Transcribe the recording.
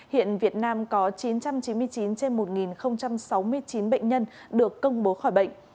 hiện việt nam có chín trăm chín mươi chín trên một sáu mươi chín bệnh nhân được công bố khỏi bệnh